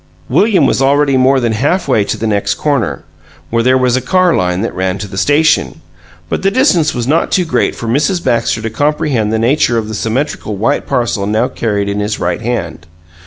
William was already more than half way to the next corner, where there was a car line that ran to the station; but the distance was not too great for Mrs. Baxter to comprehend the nature of the symmetrical white parcel now carried in his right hand.